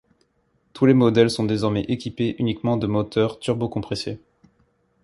Tous les modèles sont désormais équipés uniquement de moteurs turbocompressés.